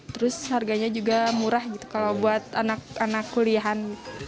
terus harganya juga murah gitu kalau buat anak anak kuliahan